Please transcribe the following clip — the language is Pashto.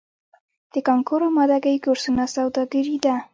د کانکور امادګۍ کورسونه سوداګري ده؟